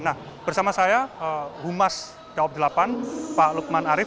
nah bersama saya humas daob delapan pak lukman arief